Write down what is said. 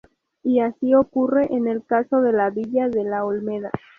Y así ocurre en el caso de la villa de la Olmeda.